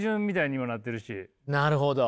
なるほど！